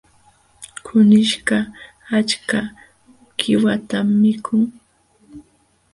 Kunishkaq achka qiwatam mikun.